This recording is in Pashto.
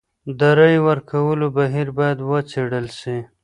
د رايې ورکولو بهير بايد وڅېړل سي.